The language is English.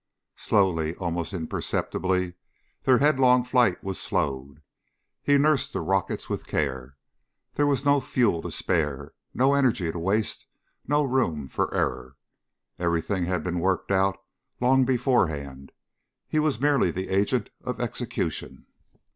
Slowly, almost imperceptibly, their headlong flight was slowed. He nursed the rockets with care. There was no fuel to spare, no energy to waste, no room for error. Everything had been worked out long beforehand; he was merely the agent of execution.